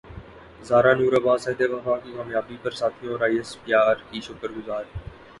زارا نور عباس عہد وفا کی کامیابی پر ساتھیوں اور ائی ایس پی ار کی شکر گزار